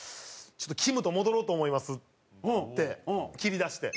「ちょっときむと戻ろうと思います」って切り出して。